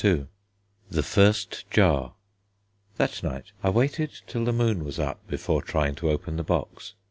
II THE FIRST JAR That night I waited till the moon was up before trying to open the box.